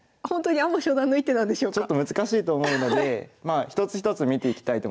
これはちょっと難しいと思うので一つ一つ見ていきたいと思います。